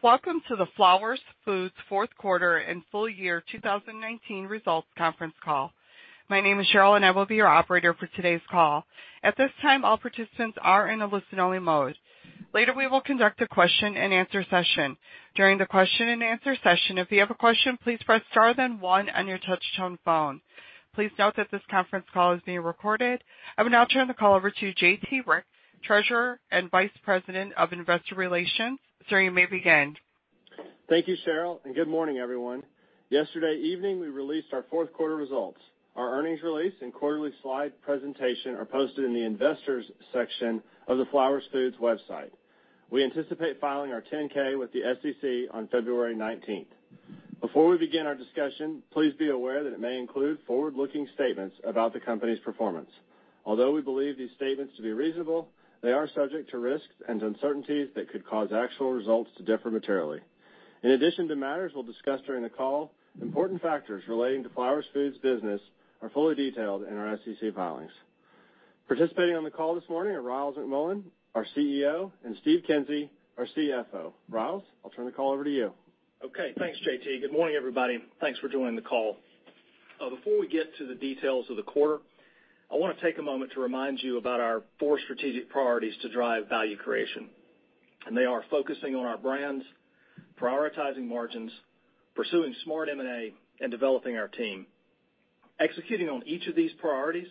Welcome to the Flowers Foods fourth quarter and full year 2019 results conference call. My name is Cheryl and I will be your operator for today's call. At this time, all participants are in a listen-only mode. Later, we will conduct a question and answer session. During the question and answer session, if you have a question, please press star then one on your touchtone phone. Please note that this conference call is being recorded. I will now turn the call over to J.T. Rieck, Treasurer and Vice President of Investor Relations. Sir, you may begin. Thank you, Cheryl, and good morning, everyone. Yesterday evening, we released our fourth quarter results. Our earnings release and quarterly slide presentation are posted in the Investors section of the Flowers Foods website. We anticipate filing our 10-K with the SEC on February 19th. Before we begin our discussion, please be aware that it may include forward-looking statements about the company's performance. Although we believe these statements to be reasonable, they are subject to risks and uncertainties that could cause actual results to differ materially. In addition to matters we'll discuss during the call, important factors relating to Flowers Foods business are fully detailed in our SEC filings. Participating on the call this morning are Ryals McMullian, our CEO, and Steve Kinsey, our CFO. Rya, I'll turn the call over to you. Okay, thanks, J.T. Good morning, everybody. Thanks for joining the call. Before we get to the details of the quarter, I want to take a moment to remind you about our four strategic priorities to drive value creation. They are focusing on our brands, prioritizing margins, pursuing smart M&A, and developing our team. Executing on each of these priorities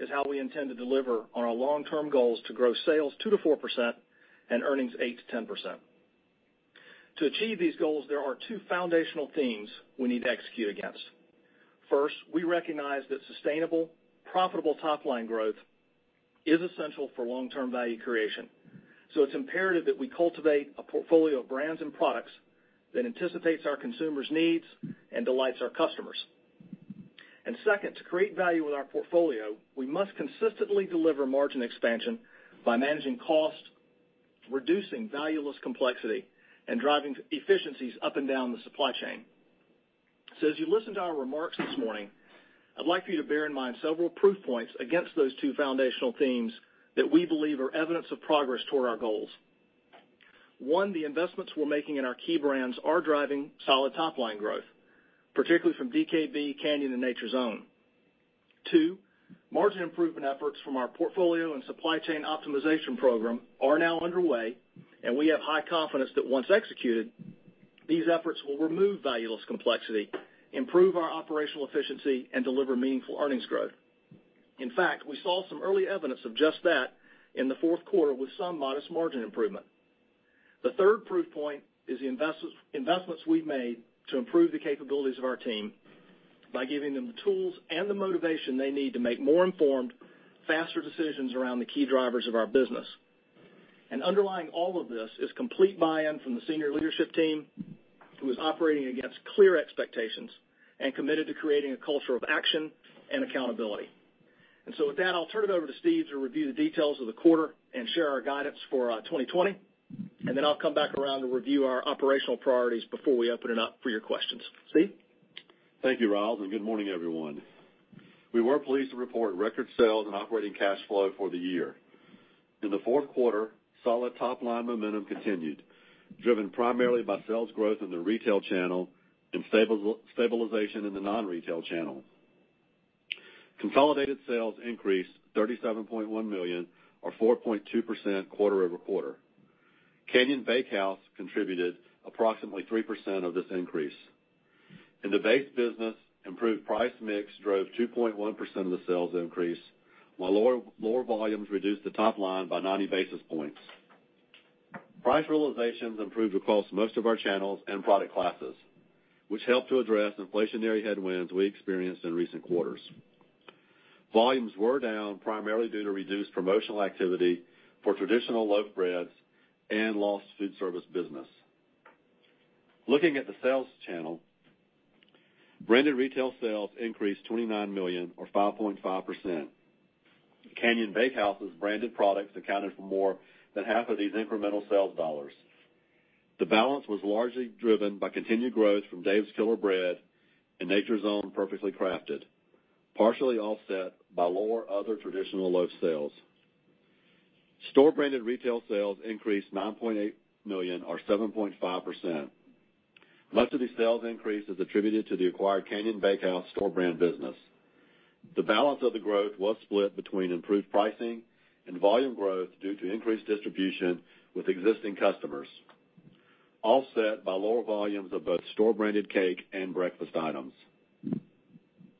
is how we intend to deliver on our long-term goals to grow sales 2%-4% and earnings 8%-10%. To achieve these goals, there are two foundational themes we need to execute against. First, we recognize that sustainable, profitable top-line growth is essential for long-term value creation. It's imperative that we cultivate a portfolio of brands and products that anticipates our consumers' needs and delights our customers. Second, to create value with our portfolio, we must consistently deliver margin expansion by managing costs, reducing valueless complexity, and driving efficiencies up and down the supply chain. As you listen to our remarks this morning, I'd like for you to bear in mind several proof points against those two foundational themes that we believe are evidence of progress toward our goals. One, the investments we're making in our key brands are driving solid top-line growth, particularly from DKB, Canyon, and Nature's Own. Two, margin improvement efforts from our portfolio and supply chain optimization program are now underway, and we have high confidence that once executed, these efforts will remove valueless complexity, improve our operational efficiency, and deliver meaningful earnings growth. In fact, we saw some early evidence of just that in the fourth quarter with some modest margin improvement. The third proof point is the investments we've made to improve the capabilities of our team by giving them the tools and the motivation they need to make more informed, faster decisions around the key drivers of our business. Underlying all of this is complete buy-in from the senior leadership team, who is operating against clear expectations and committed to creating a culture of action and accountability. With that, I'll turn it over to Steve to review the details of the quarter and share our guidance for 2020, then I'll come back around to review our operational priorities before we open it up for your questions. Steve? Thank you, Ryals, and good morning, everyone. We were pleased to report record sales and operating cash flow for the year. In the fourth quarter, solid top-line momentum continued, driven primarily by sales growth in the retail channel and stabilization in the non-retail channels. Consolidated sales increased $37.1 million or 4.2% quarter-over-quarter. Canyon Bakehouse contributed approximately 3% of this increase. In the base business, improved price mix drove 2.1% of the sales increase, while lower volumes reduced the top line by 90 basis points. Price realizations improved across most of our channels and product classes, which helped to address inflationary headwinds we experienced in recent quarters. Volumes were down primarily due to reduced promotional activity for traditional loaf breads and lost food service business. Looking at the sales channel, branded retail sales increased $29 million or 5.5%. Canyon Bakehouse's branded products accounted for more than half of these incremental sales dollars. The balance was largely driven by continued growth from Dave's Killer Bread and Nature's Own Perfectly Crafted, partially offset by lower other traditional loaf sales. Store branded retail sales increased $9.8 million or 7.5%. Much of the sales increase is attributed to the acquired Canyon Bakehouse store brand business. The balance of the growth was split between improved pricing and volume growth due to increased distribution with existing customers, offset by lower volumes of both store branded cake and breakfast items.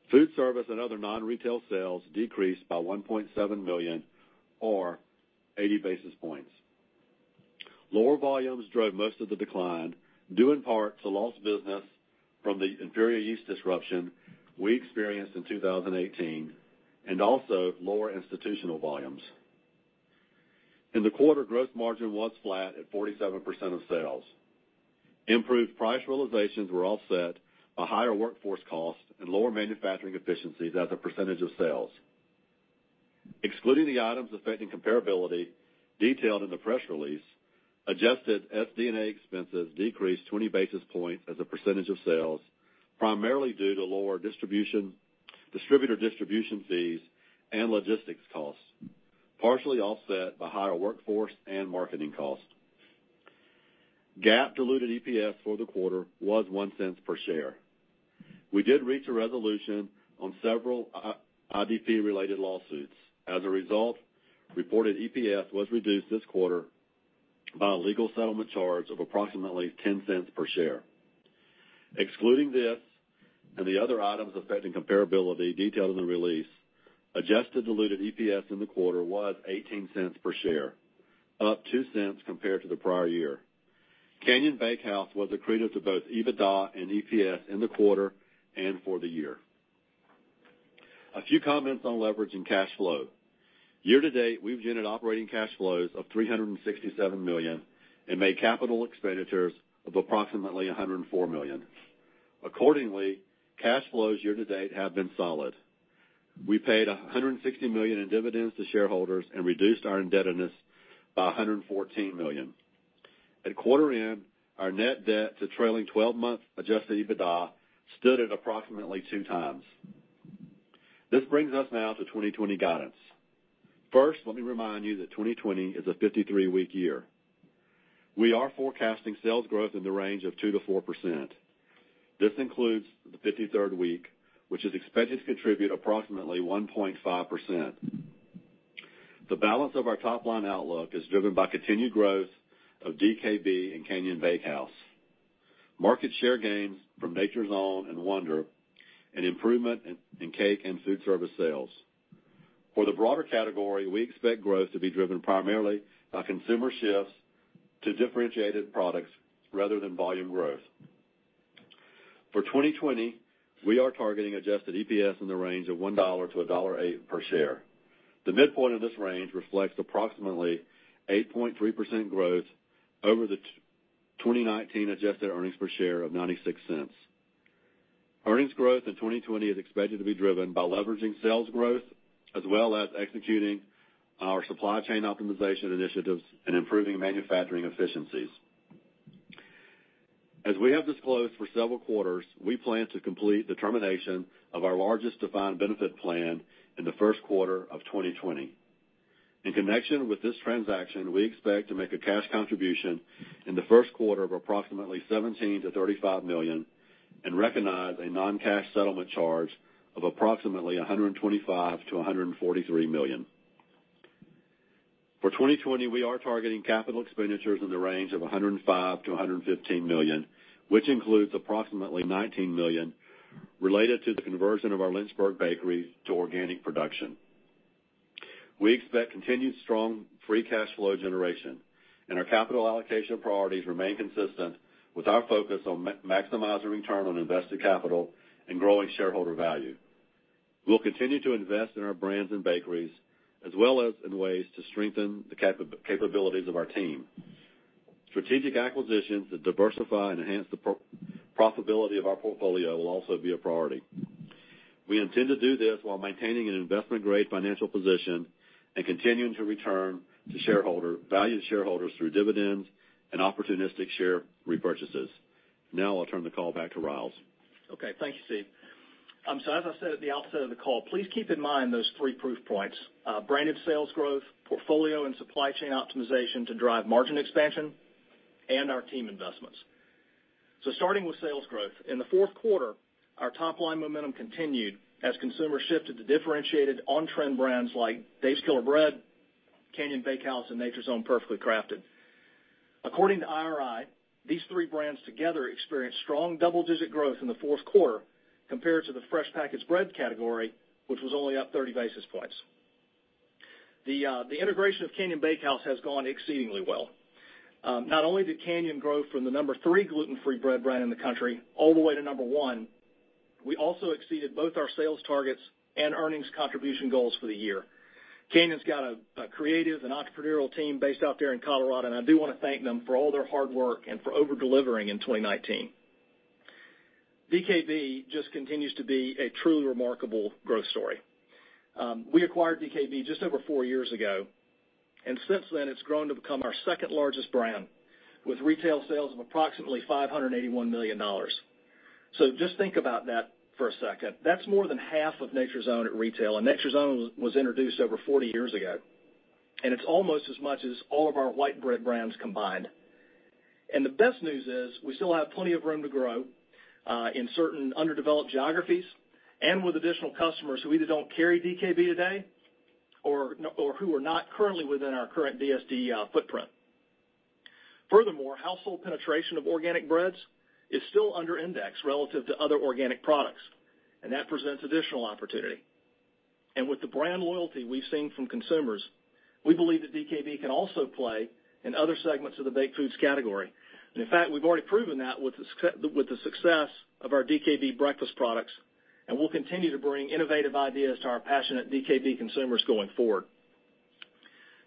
Food service and other non-retail sales decreased by $1.7 million or 80 basis points. Lower volumes drove most of the decline, due in part to lost business from the inferior yeast disruption we experienced in 2018, and also lower institutional volumes. In the quarter, gross margin was flat at 47% of sales. Improved price realizations were offset by higher workforce costs and lower manufacturing efficiencies as a percentage of sales. Excluding the items affecting comparability detailed in the press release, adjusted SD&A expenses decreased 20 basis points as a percentage of sales, primarily due to lower distributor distribution fees and logistics costs. Partially offset by higher workforce and marketing costs. GAAP diluted EPS for the quarter was $0.01 per share. We did reach a resolution on several IDP-related lawsuits. As a result, reported EPS was reduced this quarter by a legal settlement charge of approximately $0.10 per share. Excluding this and the other items affecting comparability detailed in the release, adjusted diluted EPS in the quarter was $0.18 per share, up $0.02 compared to the prior year. Canyon Bakehouse was accretive to both EBITDA and EPS in the quarter and for the year. A few comments on leverage and cash flow. Year-to-date, we've generated operating cash flows of $367 million and made capital expenditures of approximately $104 million. Accordingly, cash flows year-to-date have been solid. We paid $160 million in dividends to shareholders and reduced our indebtedness by $114 million. At quarter end, our net debt to trailing 12-month adjusted EBITDA stood at approximately 2x. This brings us now to 2020 guidance. First, let me remind you that 2020 is a 53-week year. We are forecasting sales growth in the range of 2%-4%. This includes the 53rd week, which is expected to contribute approximately 1.5%. The balance of our top-line outlook is driven by continued growth of DKB and Canyon Bakehouse, market share gains from Nature's Own and Wonder, and improvement in cake and food service sales. For the broader category, we expect growth to be driven primarily by consumer shifts to differentiated products rather than volume growth. For 2020, we are targeting adjusted EPS in the range of $1 - $1.08 per share. The midpoint of this range reflects approximately 8.3% growth over the 2019 adjusted earnings per share of $0.96. Earnings growth in 2020 is expected to be driven by leveraging sales growth, as well as executing our supply chain optimization initiatives and improving manufacturing efficiencies. As we have disclosed for several quarters, we plan to complete the termination of our largest defined benefit plan in the first quarter of 2020. In connection with this transaction, we expect to make a cash contribution in the first quarter of approximately $17 million-$35 million and recognize a non-cash settlement charge of approximately $125 million-$143 million. For 2020, we are targeting capital expenditures in the range of $105 million-$115 million, which includes approximately $19 million related to the conversion of our Lynchburg bakery to organic production. We expect continued strong free cash flow generation and our capital allocation priorities remain consistent with our focus on maximizing return on invested capital and growing shareholder value. We'll continue to invest in our brands and bakeries as well as in ways to strengthen the capabilities of our team. Strategic acquisitions that diversify and enhance the profitability of our portfolio will also be a priority. We intend to do this while maintaining an investment-grade financial position and continuing to return value to shareholders through dividends and opportunistic share repurchases. Now I'll turn the call back to Ryals. Okay, thank you, Steve. As I said at the outset of the call, please keep in mind those three proof points, branded sales growth, portfolio and supply chain optimization to drive margin expansion, and our team investments. Starting with sales growth, in the fourth quarter, our top-line momentum continued as consumers shifted to differentiated on-trend brands like Dave's Killer Bread, Canyon Bakehouse, and Nature's Own Perfectly Crafted. According to IRI, these three brands together experienced strong double-digit growth in the fourth quarter compared to the fresh packaged bread category, which was only up 30 basis points. The integration of Canyon Bakehouse has gone exceedingly well. Not only did Canyon grow from the number three gluten-free bread brand in the country all the way to number one, we also exceeded both our sales targets and earnings contribution goals for the year. Canyon's got a creative and entrepreneurial team based out there in Colorado. I do want to thank them for all their hard work and for over-delivering in 2019. DKB just continues to be a truly remarkable growth story. We acquired DKB just over four years ago. Since then it's grown to become our second-largest brand with retail sales of approximately $581 million. Just think about that for a second. That's more than half of Nature's Own at retail. Nature's Own was introduced over 40 years ago. It's almost as much as all of our white bread brands combined. The best news is we still have plenty of room to grow, in certain underdeveloped geographies and with additional customers who either don't carry DKB today or who are not currently within our current DSD footprint. Furthermore, household penetration of organic breads is still under index relative to other organic products. That presents additional opportunity. With the brand loyalty we've seen from consumers, we believe that DKB can also play in other segments of the baked foods category. In fact, we've already proven that with the success of our DKB breakfast products. We'll continue to bring innovative ideas to our passionate DKB consumers going forward.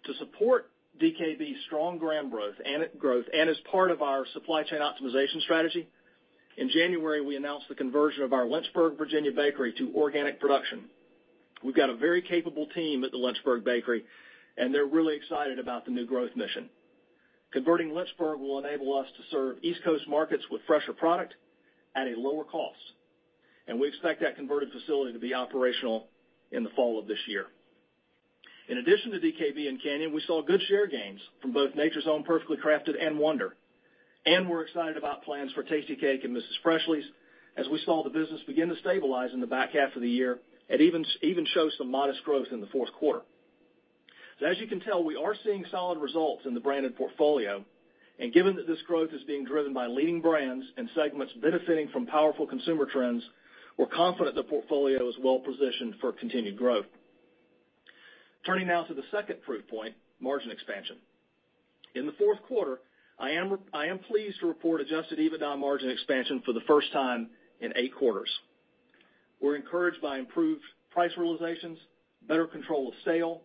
To support DKB's strong brand growth and as part of our supply chain optimization strategy, in January, we announced the conversion of our Lynchburg, Virginia, bakery to organic production. We've got a very capable team at the Lynchburg bakery. They're really excited about the new growth mission. Converting Lynchburg will enable us to serve East Coast markets with fresher product at a lower cost. We expect that converted facility to be operational in the fall of this year. In addition to DKB and Canyon, we saw good share gains from both Nature's Own Perfectly Crafted and Wonder. We're excited about plans for Tastykake and Mrs. Freshley's, as we saw the business begin to stabilize in the back half of the year, and even show some modest growth in the fourth quarter. As you can tell, we are seeing solid results in the branded portfolio, and given that this growth is being driven by leading brands and segments benefiting from powerful consumer trends, we're confident the portfolio is well-positioned for continued growth. Turning now to the second proof point, margin expansion. In the fourth quarter, I am pleased to report adjusted EBITDA margin expansion for the first time in eight quarters. We're encouraged by improved price realizations, better control of sale,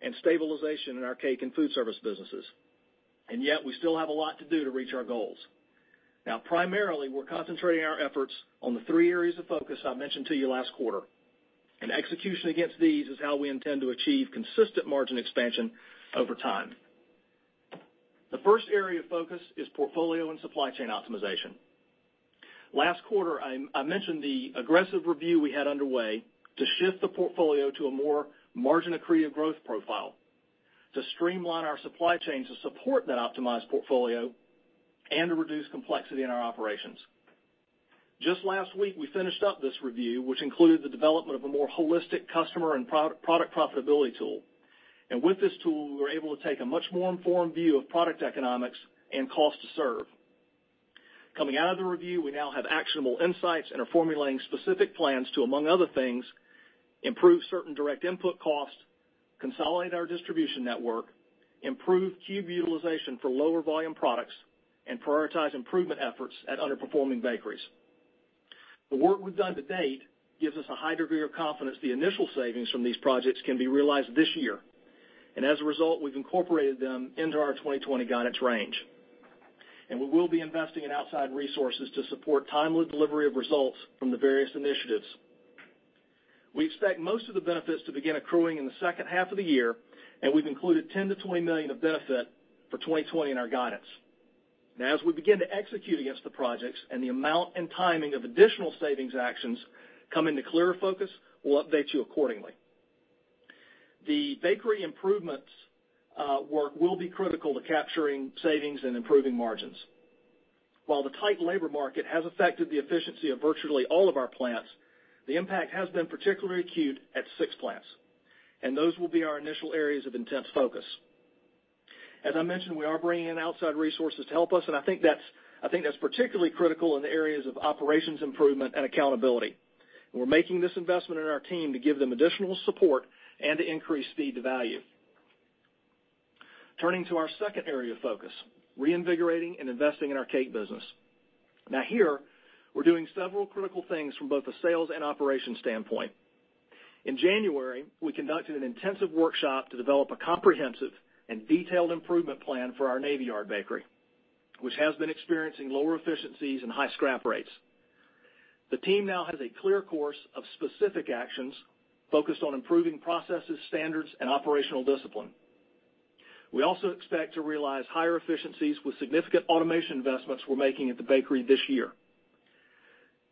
and stabilization in our cake and food service businesses. Yet, we still have a lot to do to reach our goals. Primarily, we're concentrating our efforts on the three areas of focus I mentioned to you last quarter. Execution against these is how we intend to achieve consistent margin expansion over time. The first area of focus is portfolio and supply chain optimization. Last quarter, I mentioned the aggressive review we had underway to shift the portfolio to a more margin-accretive growth profile, to streamline our supply chain to support net optimized portfolio, and to reduce complexity in our operations. Just last week, we finished up this review, which included the development of a more holistic customer and product profitability tool. With this tool, we were able to take a much more informed view of product economics and cost to serve. Coming out of the review, we now have actionable insights and are formulating specific plans to, among other things, improve certain direct input costs, consolidate our distribution network, improve cube utilization for lower volume products, and prioritize improvement efforts at underperforming bakeries. The work we've done to date gives us a high degree of confidence the initial savings from these projects can be realized this year. As a result, we've incorporated them into our 2020 guidance range. We will be investing in outside resources to support timely delivery of results from the various initiatives. We expect most of the benefits to begin accruing in the second half of the year, and we've included $10 million-$20 million of benefit for 2020 in our guidance. As we begin to execute against the projects, and the amount and timing of additional savings actions come into clearer focus, we'll update you accordingly. The bakery improvements work will be critical to capturing savings and improving margins. While the tight labor market has affected the efficiency of virtually all of our plants, the impact has been particularly acute at six plants, those will be our initial areas of intense focus. As I mentioned, we are bringing in outside resources to help us, I think that's particularly critical in the areas of operations improvement and accountability. We're making this investment in our team to give them additional support and to increase speed to value. Turning to our second area of focus, reinvigorating and investing in our cake business. Here, we're doing several critical things from both a sales and operations standpoint. In January, we conducted an intensive workshop to develop a comprehensive and detailed improvement plan for our Navy Yard bakery, which has been experiencing lower efficiencies and high scrap rates. The team now has a clear course of specific actions focused on improving processes, standards, and operational discipline. We also expect to realize higher efficiencies with significant automation investments we're making at the bakery this year.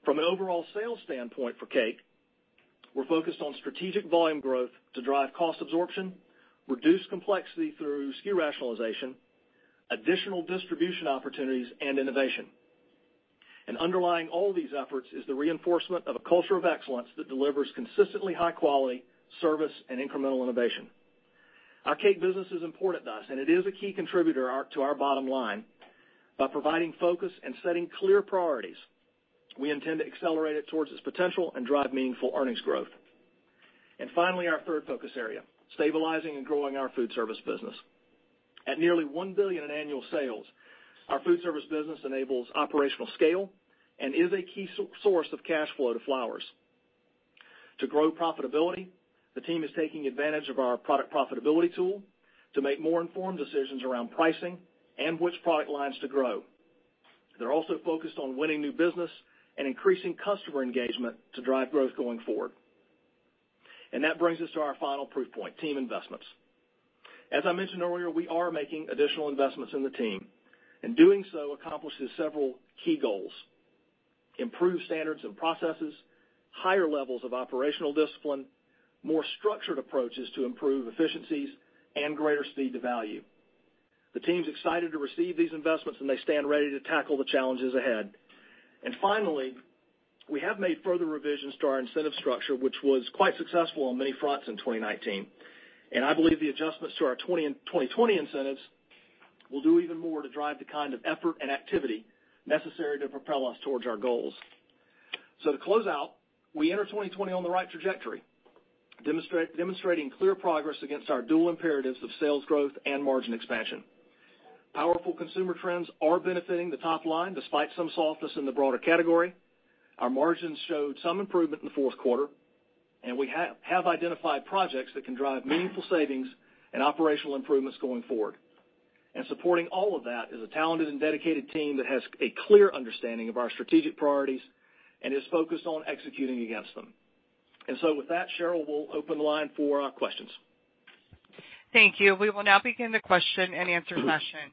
From an overall sales standpoint for cake, we're focused on strategic volume growth to drive cost absorption, reduce complexity through SKU rationalization, additional distribution opportunities, and innovation. Underlying all these efforts is the reinforcement of a culture of excellence that delivers consistently high quality, service, and incremental innovation. Our cake business is important to us, and it is a key contributor to our bottom line. By providing focus and setting clear priorities, we intend to accelerate it towards its potential and drive meaningful earnings growth. Finally, our third focus area, stabilizing and growing our food service business. At nearly $1 billion in annual sales, our food service business enables operational scale and is a key source of cash flow to Flowers. To grow profitability, the team is taking advantage of our product profitability tool to make more informed decisions around pricing and which product lines to grow. They're also focused on winning new business and increasing customer engagement to drive growth going forward. That brings us to our final proof point, team investments. As I mentioned earlier, we are making additional investments in the team, and doing so accomplishes several key goals. Improved standards and processes, higher levels of operational discipline, more structured approaches to improve efficiencies, and greater speed to value. The team's excited to receive these investments, and they stand ready to tackle the challenges ahead. Finally, we have made further revisions to our incentive structure, which was quite successful on many fronts in 2019. I believe the adjustments to our 2020 incentives will do even more to drive the kind of effort and activity necessary to propel us towards our goals. To close out, we enter 2020 on the right trajectory, demonstrating clear progress against our dual imperatives of sales growth and margin expansion. Powerful consumer trends are benefiting the top line, despite some softness in the broader category. Our margins showed some improvement in the fourth quarter, and we have identified projects that can drive meaningful savings and operational improvements going forward. Supporting all of that is a talented and dedicated team that has a clear understanding of our strategic priorities and is focused on executing against them. With that, Cheryl, we'll open the line for questions. Thank you. We will now begin the question and answer session.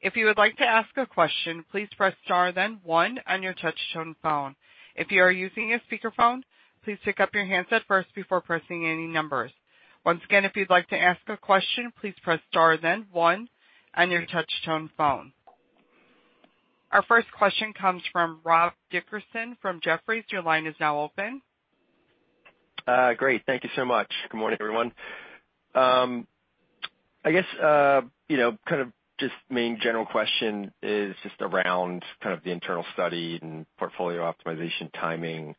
If you would like to ask a question, please press star then one on your touch-tone phone. If you are using a speakerphone, please pick up your handset first before pressing any numbers. Once again, if you'd like to ask a question, please press star then one on your touch-tone phone. Our first question comes from Rob Dickerson from Jefferies. Your line is now open. Great. Thank you so much. Good morning, everyone. I guess, just main general question is just around the internal study and portfolio optimization timing,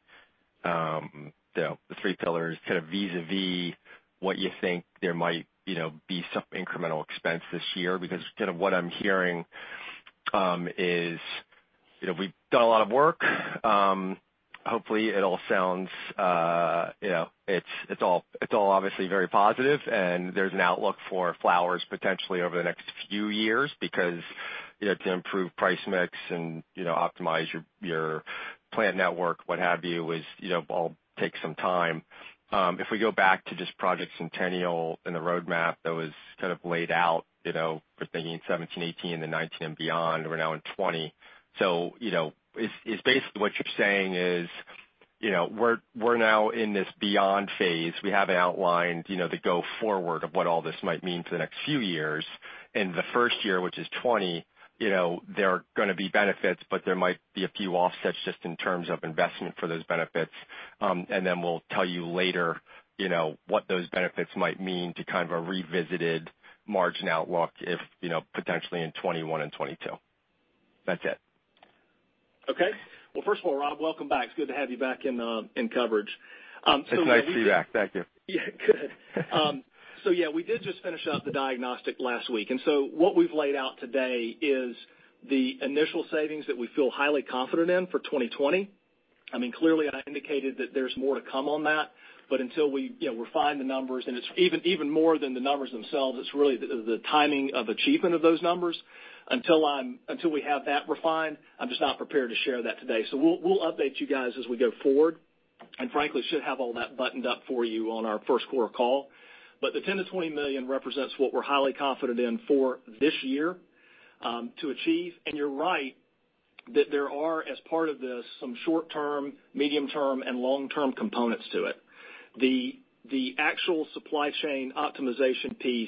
the 3 pillars vis-a-vis what you think there might be some incremental expense this year, because what I'm hearing is, we've done a lot of work. Hopefully, it all sounds, it's all obviously very positive and there's an outlook for Flowers potentially over the next few years because to improve price mix and optimize your plant network, what have you, is all take some time. If we go back to just Project Centennial and the roadmap that was laid out, we're thinking 2017, 2018, then 2019 and beyond. We're now in 2020. Is basically what you're saying is, we're now in this beyond phase. We have outlined the go forward of what all this might mean for the next few years. The first year, which is 2020, there are going to be benefits, but there might be a few offsets just in terms of investment for those benefits. Then we'll tell you later what those benefits might mean to kind of a revisited margin outlook if potentially in 2021 and 2022. That's it. Okay. Well, first of all, Rob, welcome back. It's good to have you back in coverage. It's nice to be back. Thank you. Yeah. Good. Yeah, we did just finish up the diagnostic last week, and so what we've laid out today is the initial savings that we feel highly confident in for 2020. I mean, clearly, I indicated that there's more to come on that, but until we refine the numbers, and it's even more than the numbers themselves, it's really the timing of achievement of those numbers. Until we have that refined, I'm just not prepared to share that today. We'll update you guys as we go forward, and frankly, should have all that buttoned up for you on our first quarter call. The $10 million-$20 million represents what we're highly confident in for this year, to achieve. You're right that there are, as part of this, some short-term, medium-term, and long-term components to it. The actual supply chain optimization piece,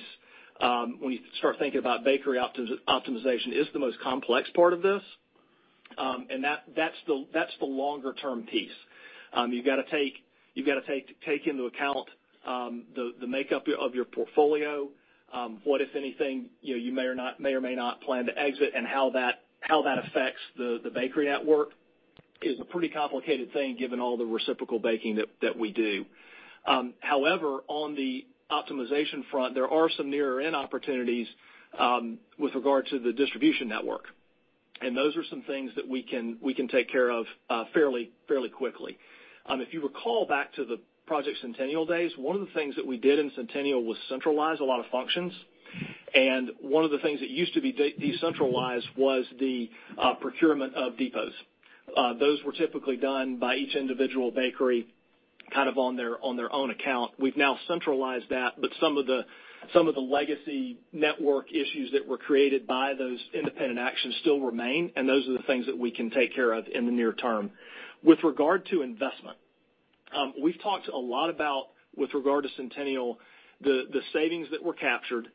when you start thinking about bakery optimization, is the most complex part of this, and that's the longer-term piece. You've got to take into account, the makeup of your portfolio, what if anything, you may or may not plan to exit and how that affects the bakery network is a pretty complicated thing given all the reciprocal baking that we do. However, on the optimization front, there are some nearer end opportunities, with regard to the distribution network. Those are some things that we can take care of fairly quickly. If you recall back to the Project Centennial days, one of the things that we did in Centennial was centralize a lot of functions. One of the things that used to be decentralized was the procurement of depots. Those were typically done by each individual bakery, kind of on their own account. We've now centralized that, but some of the legacy network issues that were created by those independent actions still remain, and those are the things that we can take care of in the near term. With regard to investment, we've talked a lot about, with regard to Centennial, the savings that were captured,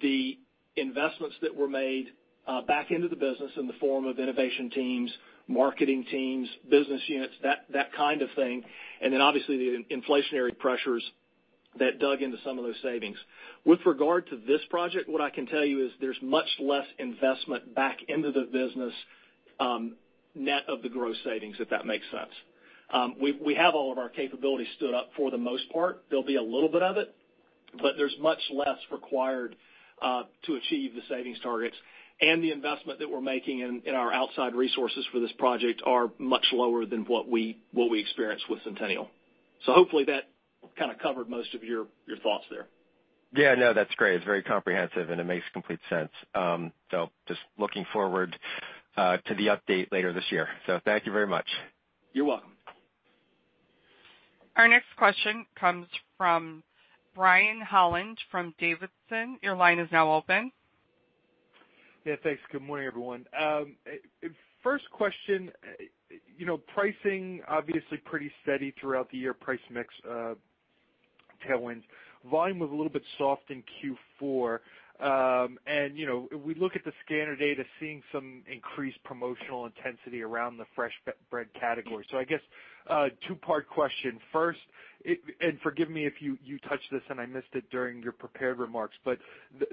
the investments that were made back into the business in the form of innovation teams, marketing teams, business units, that kind of thing, and then obviously the inflationary pressures that dug into some of those savings. With regard to this project, what I can tell you is there's much less investment back into the business, net of the gross savings, if that makes sense. We have all of our capabilities stood up for the most part. There'll be a little bit of it, but there's much less required to achieve the savings targets. The investment that we're making in our outside resources for this project are much lower than what we experienced with Centennial. Hopefully that kind of covered most of your thoughts there. Yeah, no, that's great. It's very comprehensive, and it makes complete sense. Just looking forward to the update later this year. Thank you very much. You're welcome. Our next question comes from Brian Holland from Davidson. Your line is now open. Yeah, thanks. Good morning, everyone. First question. Pricing obviously pretty steady throughout the year. Price mix tailwinds. Volume was a little bit soft in Q4. If we look at the scanner data, seeing some increased promotional intensity around the fresh bread category. I guess, a two-part question. First, and forgive me if you touched this and I missed it during your prepared remarks, but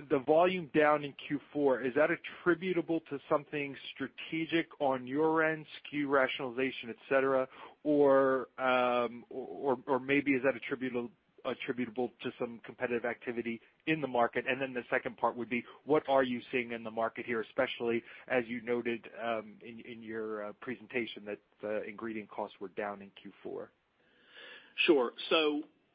the volume down in Q4, is that attributable to something strategic on your end, SKU rationalization, et cetera, or maybe is that attributable to some competitive activity in the market? The second part would be, what are you seeing in the market here, especially as you noted, in your presentation that the ingredient costs were down in Q4? Sure.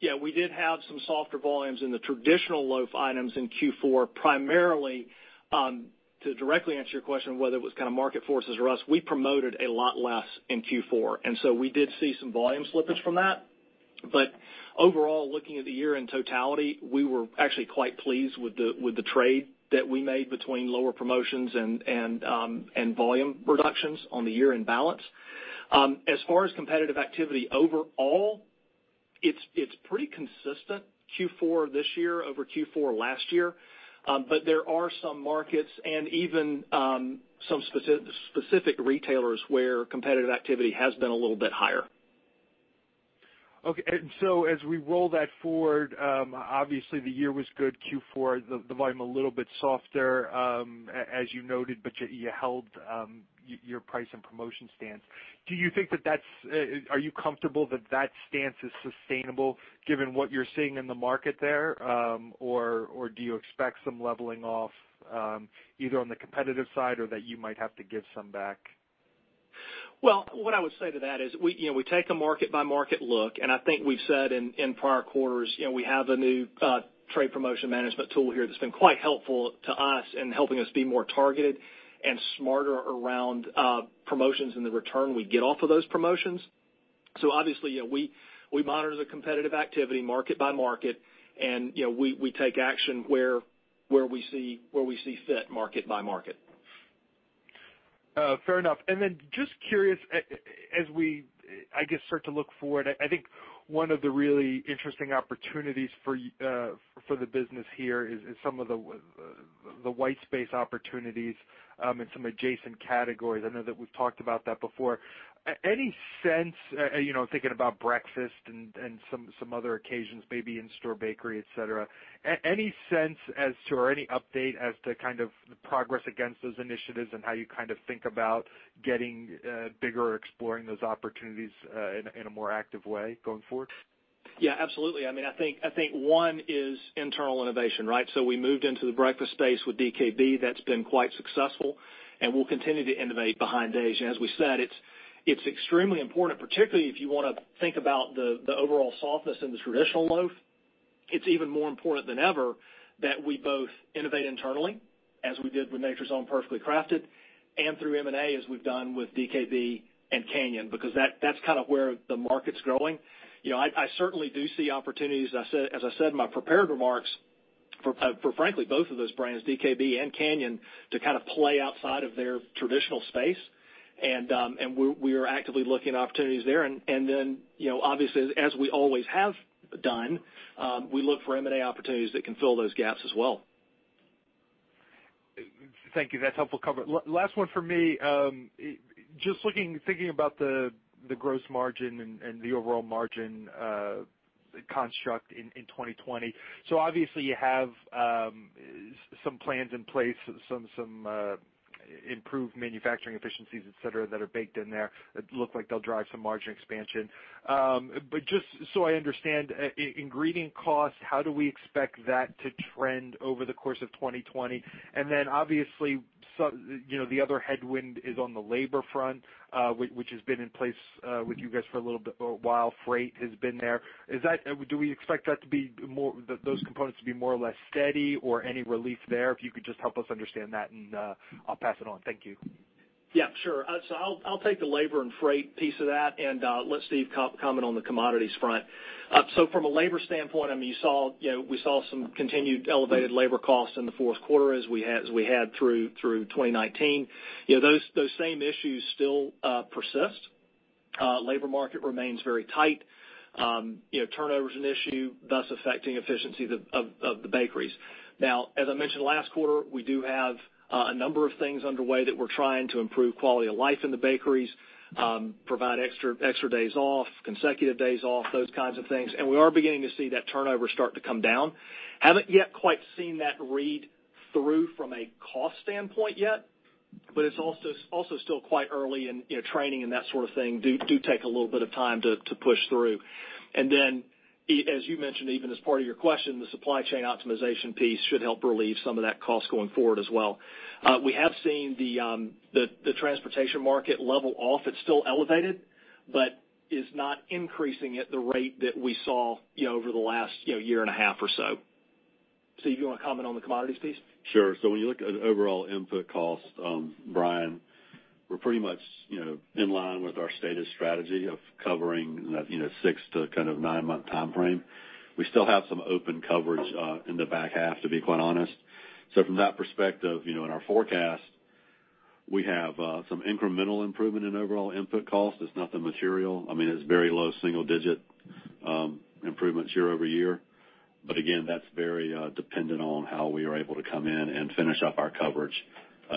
Yeah, we did have some softer volumes in the traditional loaf items in Q4, primarily, to directly answer your question, whether it was kind of market forces or us, we promoted a lot less in Q4, and so we did see some volume slippage from that. Overall, looking at the year in totality, we were actually quite pleased with the trade that we made between lower promotions and volume reductions on the year in balance. As far as competitive activity overall, it's pretty consistent Q4 this year over Q4 last year. There are some markets and even some specific retailers where competitive activity has been a little bit higher. Okay. As we roll that forward, obviously the year was good, Q4, the volume a little bit softer, as you noted, but you held your price and promotion stance. Are you comfortable that that stance is sustainable given what you're seeing in the market there? Or do you expect some leveling off, either on the competitive side or that you might have to give some back? Well, what I would say to that is we take a market by market look, and I think we've said in prior quarters we have a new trade promotion management tool here that's been quite helpful to us in helping us be more targeted and smarter around promotions and the return we get off of those promotions. Obviously, we monitor the competitive activity market by market, and we take action where we see fit market by market. Fair enough. Just curious, as we, I guess, start to look forward, I think one of the really interesting opportunities for the business here is some of the white space opportunities, and some adjacent categories. I know that we've talked about that before. Thinking about breakfast and some other occasions, maybe in-store bakery, et cetera, any sense as to, or any update as to kind of the progress against those initiatives and how you kind of think about getting bigger or exploring those opportunities in a more active way going forward? Absolutely. I think one is internal innovation, right? We moved into the breakfast space with DKB. That's been quite successful, and we'll continue to innovate behind those. As we said, it's extremely important, particularly if you want to think about the overall softness in the traditional loaf. It's even more important than ever that we both innovate internally, as we did with Nature's Own Perfectly Crafted, and through M&A, as we've done with DKB and Canyon, because that's kind of where the market's growing. I certainly do see opportunities, as I said in my prepared remarks, for frankly, both of those brands, DKB and Canyon, to kind of play outside of their traditional space. We are actively looking at opportunities there. Then, obviously, as we always have done, we look for M&A opportunities that can fill those gaps as well. Thank you. That's helpful coverage. Last one from me. Just thinking about the gross margin and the overall margin construct in 2020. Obviously you have some plans in place, some improved manufacturing efficiencies, et cetera, that are baked in there that look like they'll drive some margin expansion. Just so I understand, ingredient cost, how do we expect that to trend over the course of 2020? Obviously, the other headwind is on the labor front, which has been in place with you guys for a little while. Freight has been there. Do we expect those components to be more or less steady or any relief there? If you could just help us understand that and I'll pass it on. Thank you. Yeah, sure. I'll take the labor and freight piece of that and let Steve comment on the commodities front. From a labor standpoint, we saw some continued elevated labor costs in the fourth quarter as we had through 2019. Those same issues still persist. Labor market remains very tight. Turnover's an issue, thus affecting efficiency of the bakeries. Now, as I mentioned last quarter, we do have a number of things underway that we're trying to improve quality of life in the bakeries, provide extra days off, consecutive days off, those kinds of things. We are beginning to see that turnover start to come down. Haven't yet quite seen that read through from a cost standpoint yet, but it's also still quite early and training and that sort of thing do take a little bit of time to push through. Then, as you mentioned, even as part of your question, the supply chain optimization piece should help relieve some of that cost going forward as well. We have seen the transportation market level off. It's still elevated, but is not increasing at the rate that we saw over the last year and a half or so. Steve, you want to comment on the commodities piece? Sure. When you look at overall input cost, Brian, we're pretty much in line with our stated strategy of covering six to kind of nine-month time frame. We still have some open coverage in the back half, to be quite honest. From that perspective, in our forecast, we have some incremental improvement in overall input cost. It's nothing material. It's very low single-digit improvements year-over-year. Again, that's very dependent on how we are able to come in and finish up our coverage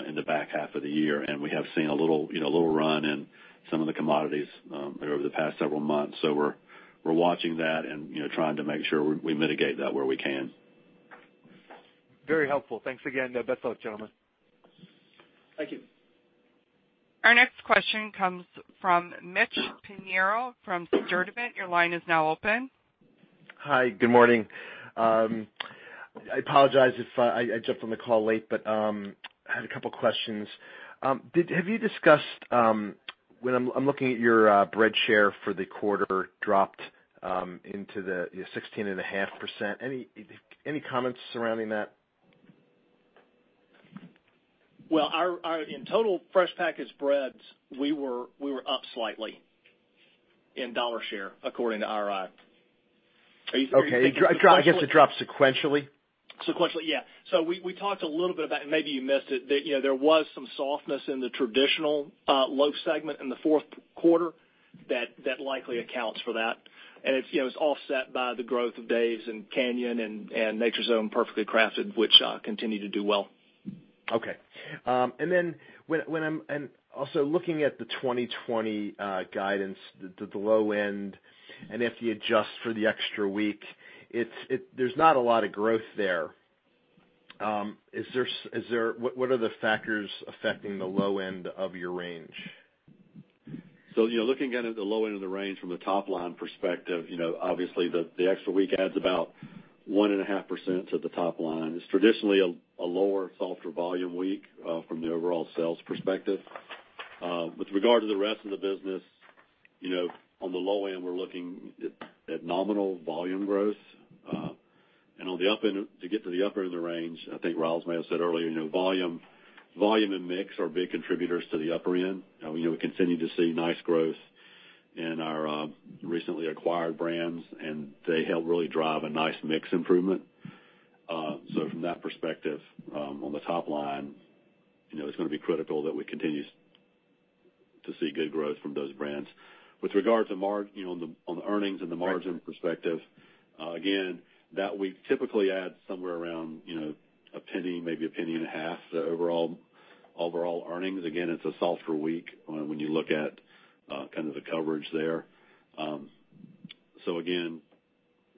in the back half of the year. We have seen a little run in some of the commodities over the past several months. We're watching that and trying to make sure we mitigate that where we can. Very helpful. Thanks again. Best of luck, gentlemen. Thank you. Our next question comes from Mitchell Pinheiro from Stifel Nicolaus. Your line is now open. Hi. Good morning. I apologize if I jumped on the call late. I had a couple questions. I'm looking at your bread share for the quarter dropped into the 16.5%. Any comments surrounding that? Well, in total fresh packaged breads, we were up slightly in dollar share according to IRI. Are you thinking? Okay. I guess it dropped sequentially? Sequentially, yeah. We talked a little bit about, and maybe you missed it, that there was some softness in the traditional loaf segment in the fourth quarter that likely accounts for that. It's offset by the growth of Dave's and Canyon and Nature's Own Perfectly Crafted, which continue to do well. Okay. Also looking at the 2020 guidance, the low end. If you adjust for the extra week, there's not a lot of growth there. What are the factors affecting the low end of your range? Looking kind of the low end of the range from the top-line perspective, obviously the extra week adds about 1.5% to the top line. It's traditionally a lower softer volume week, from the overall sales perspective. With regard to the rest of the business, on the low end, we're looking at nominal volume growth. To get to the upper end of the range, I think Ryals may have said earlier, volume and mix are big contributors to the upper end. We continue to see nice growth in our recently acquired brands, and they help really drive a nice mix improvement. From that perspective, on the top line, it's going to be critical that we continue to see good growth from those brands. With regard to on the earnings and the margin perspective, again, that we typically add somewhere around $0.01, maybe $0.015, the overall earnings. Again, it's a softer week when you look at kind of the coverage there. Again,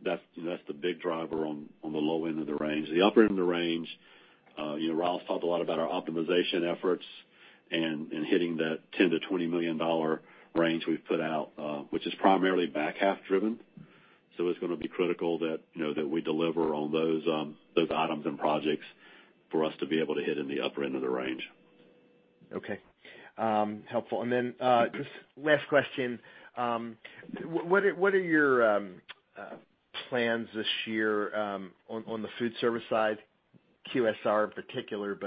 that's the big driver on the low end of the range. The upper end of the range, Ryals talked a lot about our optimization efforts and hitting that $10 million-$20 million range we've put out, which is primarily back-half driven. It's going to be critical that we deliver on those items and projects for us to be able to hit in the upper end of the range. Okay. Helpful. Just last question. What are your plans this year on the food service side, QSR in particular?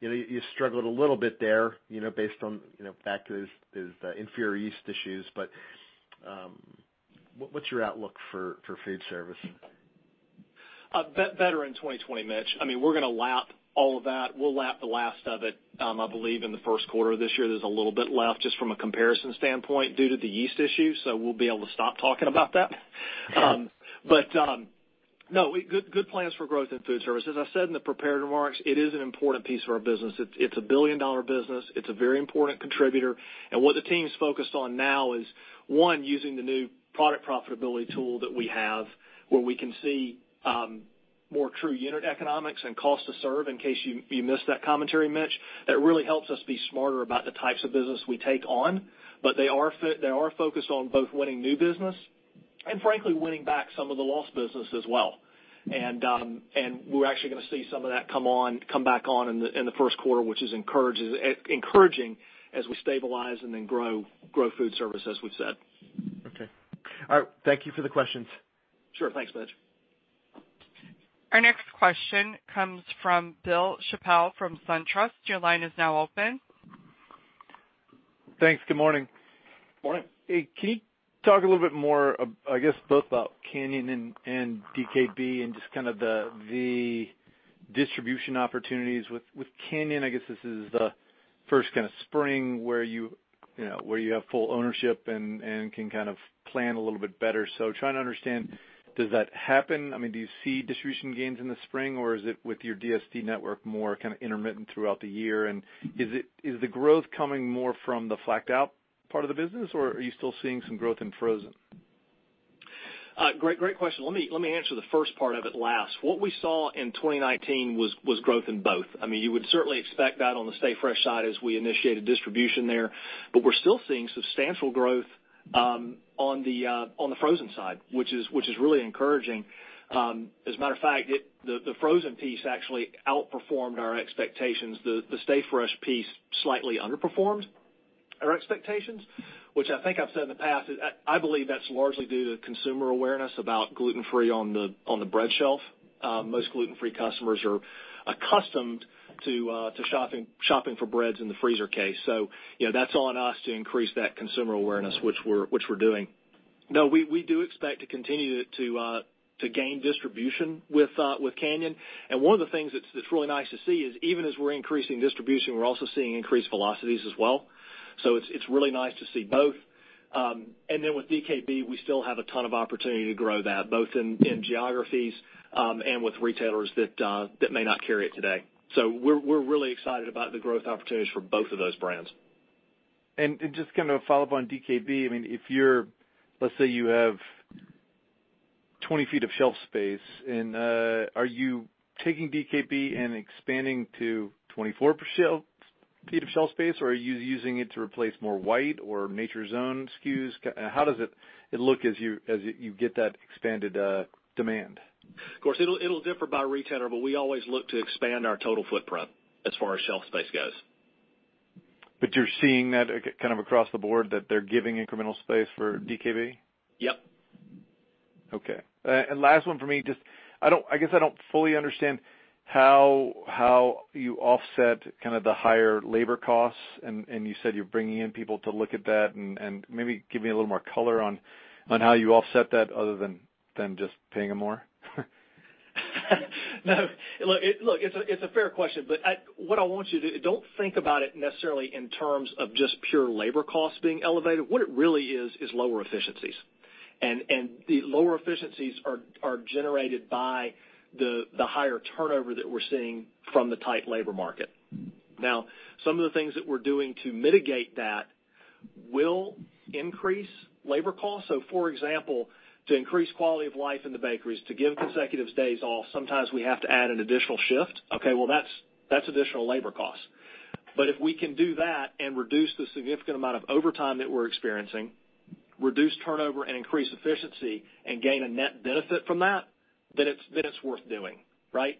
You struggled a little bit there, based on factors, those inferior yeast issues, but what's your outlook for food service? Better in 2020, Mitch. We're going to lap all of that. We'll lap the last of it, I believe in the first quarter of this year. There's a little bit left just from a comparison standpoint due to the yeast issue. We'll be able to stop talking about that. No, good plans for growth in food service. As I said in the prepared remarks, it is an important piece of our business. It's a billion-dollar business. It's a very important contributor, and what the team's focused on now is, one, using the new product profitability tool that we have, where we can see more true unit economics and cost to serve in case you missed that commentary, Mitch. That really helps us be smarter about the types of business we take on. They are focused on both winning new business and frankly winning back some of the lost business as well. We're actually going to see some of that come back on in the first quarter, which is encouraging as we stabilize and then grow food service, as we've said. Okay. All right. Thank you for the questions. Sure. Thanks, Mitch. Our next question comes from Bill Chappell from SunTrust. Your line is now open. Thanks. Good morning. Morning. Hey, can you talk a little bit more, I guess both about Canyon and DKB and just kind of the distribution opportunities with Canyon? I guess this is the first kind of spring where you have full ownership and can kind of plan a little bit better. Trying to understand, does that happen? Do you see distribution gains in the spring, or is it with your DSD network, more kind of intermittent throughout the year? Is the growth coming more from the flaked out part of the business, or are you still seeing some growth in frozen? Great question. Let me answer the first part of it last. What we saw in 2019 was growth in both. You would certainly expect that on the Stay Fresh side as we initiated distribution there. We're still seeing substantial growth on the frozen side, which is really encouraging. As a matter of fact, the frozen piece actually outperformed our expectations. The Stay Fresh piece slightly underperformed our expectations, which I think I've said in the past, I believe that's largely due to consumer awareness about gluten-free on the bread shelf. Most gluten-free customers are accustomed to shopping for breads in the freezer case. That's on us to increase that consumer awareness, which we're doing. No, we do expect to continue to gain distribution with Canyon. One of the things that's really nice to see is even as we're increasing distribution, we're also seeing increased velocities as well. It's really nice to see both. With DKB, we still have a ton of opportunity to grow that, both in geographies, and with retailers that may not carry it today. We're really excited about the growth opportunities for both of those brands. Just kind of follow up on DKB. Let's say you have 20 feet of shelf space and are you taking DKB and expanding to 24 feet of shelf space, or are you using it to replace more white or Nature's Own SKUs? How does it look as you get that expanded demand? Of course, it'll differ by retailer, but we always look to expand our total footprint as far as shelf space goes. You're seeing that kind of across the board, that they're giving incremental space for DKB? Yep. Okay. Last one for me, I guess I don't fully understand how you offset the higher labor costs, and you said you're bringing in people to look at that, and maybe give me a little more color on how you offset that other than just paying them more. No. Look, it's a fair question. Don't think about it necessarily in terms of just pure labor costs being elevated. What it really is lower efficiencies. The lower efficiencies are generated by the higher turnover that we're seeing from the tight labor market. Now, some of the things that we're doing to mitigate that will increase labor costs. For example, to increase quality of life in the bakeries, to give consecutive days off, sometimes we have to add an additional shift. Okay, well, that's additional labor costs. If we can do that and reduce the significant amount of overtime that we're experiencing, reduce turnover, and increase efficiency and gain a net benefit from that, then it's worth doing. Right?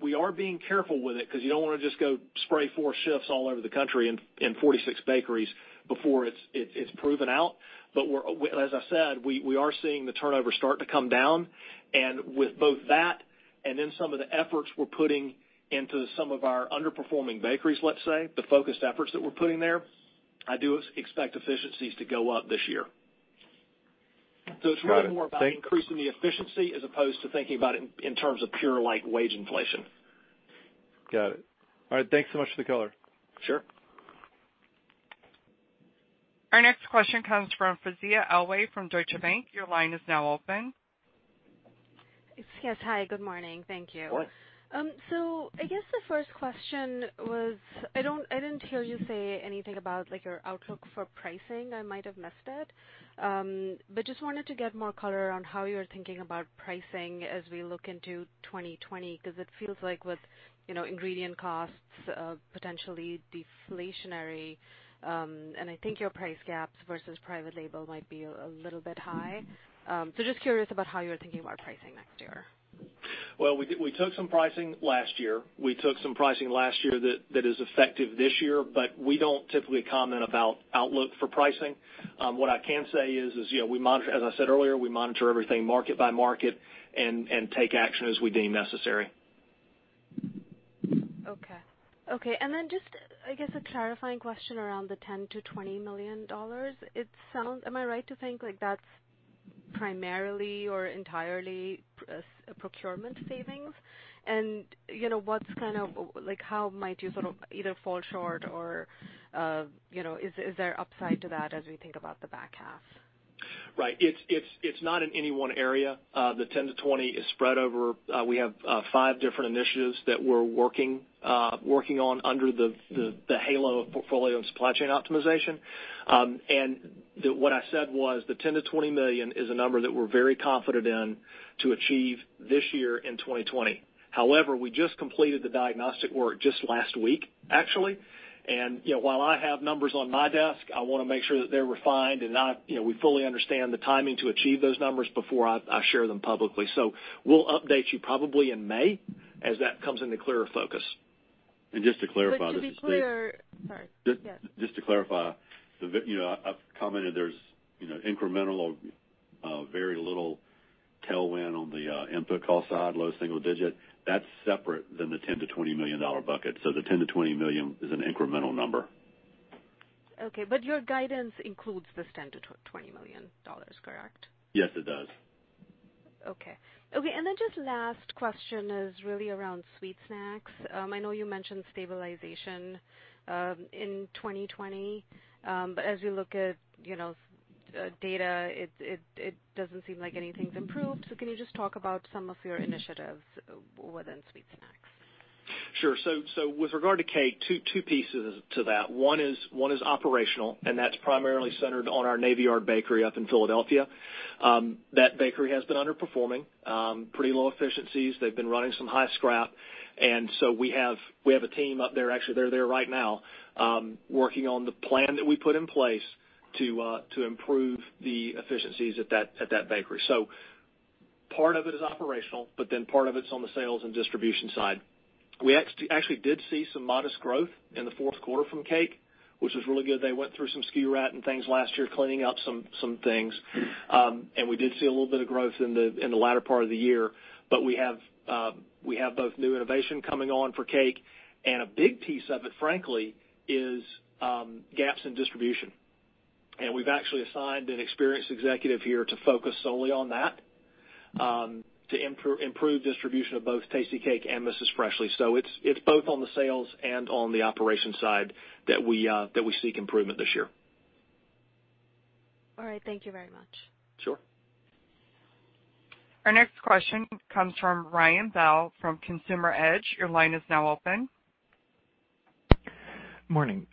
We are being careful with it because you don't want to just go spray four shifts all over the country in 46 bakeries before it's proven out. As I said, we are seeing the turnover start to come down, and with both that and then some of the efforts we're putting into some of our underperforming bakeries, let's say, the focused efforts that we're putting there, I do expect efficiencies to go up this year. Got it. It's really more about increasing the efficiency as opposed to thinking about it in terms of pure wage inflation. Got it. All right, thanks so much for the color. Sure. Our next question comes from Faiza Alwy from Deutsche Bank. Your line is now open. Yes. Hi, good morning. Thank you. Good morning. I guess the first question was, I didn't hear you say anything about your outlook for pricing. I might have missed it. But just wanted to get more color on how you're thinking about pricing as we look into 2020, because it feels like with ingredient costs potentially deflationary, and I think your price gaps versus private label might be a little bit high. Just curious about how you're thinking about pricing next year. Well, we took some pricing last year. We took some pricing last year that is effective this year, but we don't typically comment about outlook for pricing. What I can say is, as I said earlier, we monitor everything market by market and take action as we deem necessary. Okay. I guess a clarifying question around the $10 million-$20 million. Am I right to think that's primarily or entirely procurement savings? How might you sort of either fall short or is there upside to that as we think about the back half? Right. It's not in any one area. The $10 million-$20 million is spread over five different initiatives that we're working on under the halo of portfolio and supply chain optimization. What I said was the $10 million-$20 million is a number that we're very confident in to achieve this year in 2020. However, we just completed the diagnostic work just last week, actually. While I have numbers on my desk, I want to make sure that they're refined and we fully understand the timing to achieve those numbers before I share them publicly. We'll update you probably in May as that comes into clearer focus. Just to clarify, this is Steve. To be clear. Sorry. Yes. Just to clarify. I've commented there's incremental or very little tailwind on the input cost side, low single digit. That's separate than the $10 million-$20 million bucket. The $10 million-$20 million is an incremental number. Okay. Your guidance includes this $10 million-$20 million, correct? Yes, it does. Okay. Just last question is really around sweet snacks. I know you mentioned stabilization in 2020. As you look at data, it doesn't seem like anything's improved. Can you just talk about some of your initiatives within sweet snacks? Sure. With regard to cake, two pieces to that. One is operational, and that's primarily centered on our Navy Yard bakery up in Philadelphia. That bakery has been underperforming. Pretty low efficiencies, they've been running some high scrap. We have a team up there, actually, they're there right now, working on the plan that we put in place to improve the efficiencies at that bakery. Part of it is operational, part of it's on the sales and distribution side. We actually did see some modest growth in the fourth quarter from cake, which was really good. They went through some SKU rationalization and things last year, cleaning out some things. We did see a little bit of growth in the latter part of the year. We have both new innovation coming on for cake and a big piece of it, frankly, is gaps in distribution. We've actually assigned an experienced executive here to focus solely on that, to improve distribution of both Tastykake and Mrs. Freshley's. It's both on the sales and on the operations side that we seek improvement this year. All right. Thank you very much. Sure. Our next question comes from Ryan Bell from Consumer Edge. Your line is now open. Morning.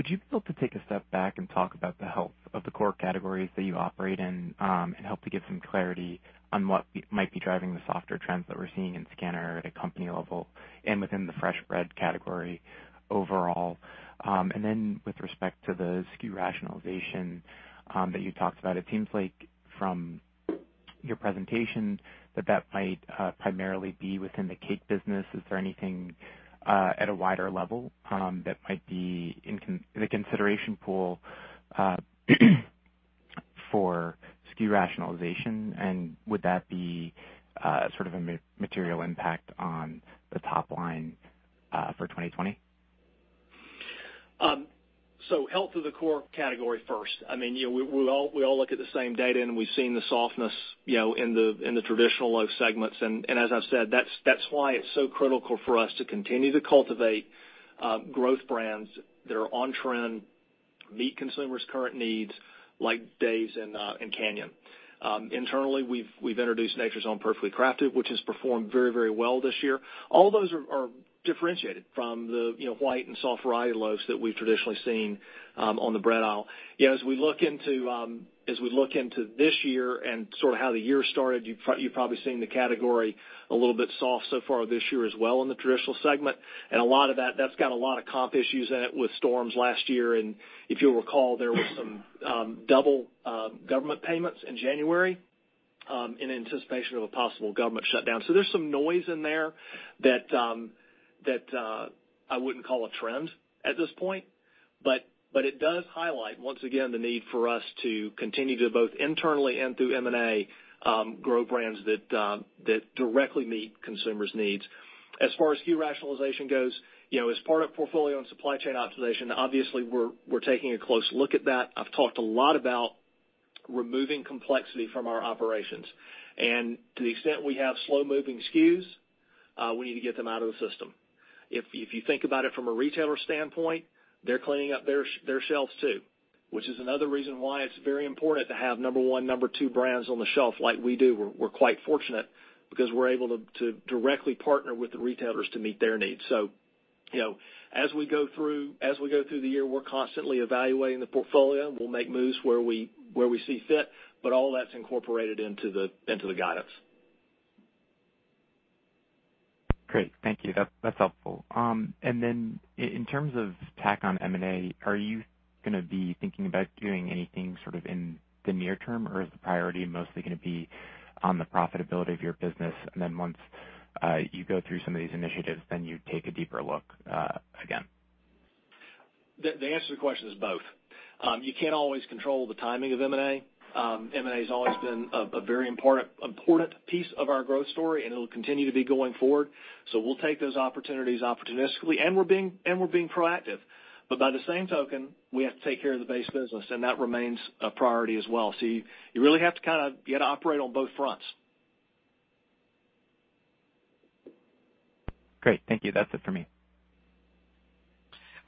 Would you be able to take a step back and talk about the health of the core categories that you operate in, and help to give some clarity on what might be driving the softer trends that we're seeing in scanner at a company level and within the fresh bread category overall? Then with respect to the SKU rationalization that you talked about, it seems like from your presentation that that might primarily be within the cake business. Is there anything at a wider level that might be in the consideration pool for SKU rationalization, would that be sort of a material impact on the top line for 2020? Health of the core category first. We all look at the same data, we've seen the softness in the traditional loaf segments. As I've said, that's why it's so critical for us to continue to cultivate growth brands that are on trend, meet consumers' current needs, like Dave's and Canyon. Internally, we've introduced Nature's Own Perfectly Crafted, which has performed very well this year. All those are differentiated from the white and soft variety loaves that we've traditionally seen on the bread aisle. As we look into this year and sort of how the year started, you've probably seen the category a little bit soft so far this year as well in the traditional segment. A lot of that's got a lot of comp issues in it with storms last year, and if you'll recall, there were some double government payments in January in anticipation of a possible government shutdown. There's some noise in there that I wouldn't call a trend at this point, but it does highlight, once again, the need for us to continue to both internally and through M&A grow brands that directly meet consumers' needs. As far as SKU rationalization goes, as part of portfolio and supply chain optimization, obviously we're taking a close look at that. I've talked a lot about removing complexity from our operations. To the extent we have slow-moving SKUs, we need to get them out of the system. If you think about it from a retailer standpoint, they're cleaning up their shelves too, which is another reason why it's very important to have number one, number two brands on the shelf like we do. We're quite fortunate because we're able to directly partner with the retailers to meet their needs. As we go through the year, we're constantly evaluating the portfolio, and we'll make moves where we see fit, but all that's incorporated into the guidance. Great. Thank you. That's helpful. Then in terms of tack on M&A, are you going to be thinking about doing anything sort of in the near term, or is the priority mostly going to be on the profitability of your business, and then once you go through some of these initiatives, then you take a deeper look again? The answer to the question is both. You can't always control the timing of M&A. M&A has always been a very important piece of our growth story, and it'll continue to be going forward. We'll take those opportunities opportunistically, and we're being proactive. By the same token, we have to take care of the base business, and that remains a priority as well. You really have to kind of operate on both fronts. Great. Thank you. That's it for me.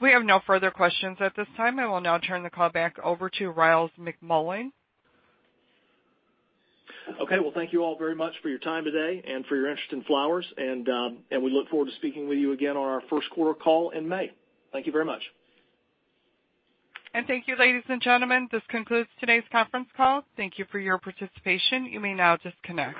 We have no further questions at this time. I will now turn the call back over to Ryals McMullian. Okay. Well, thank you all very much for your time today and for your interest in Flowers, and we look forward to speaking with you again on our first quarter call in May. Thank you very much. Thank you, ladies and gentlemen. This concludes today's conference call. Thank you for your participation. You may now disconnect.